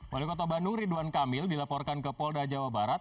wali kota bandung ridwan kamil dilaporkan ke polda jawa barat